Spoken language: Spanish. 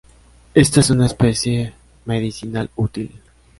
Esta es una especie medicinal útil.